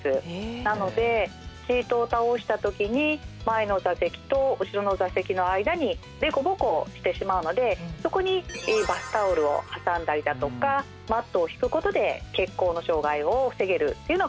なのでシートを倒した時に前の座席と後ろの座席の間に凸凹してしまうのでそこにバスタオルを挟んだりだとかマットを敷くことで血行の障害を防げるというようなことができます。